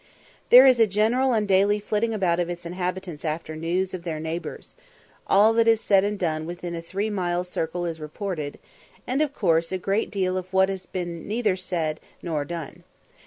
There is a general and daily flitting about of its inhabitants after news of their neighbours all that is said and done within a three mile circle is reported, and, of course, a great deal of what has neither been said nor done.